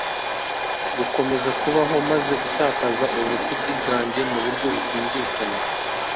gukomeza kubaho maze gutakaza ubusugi bwanjye mu buryo butanumvikana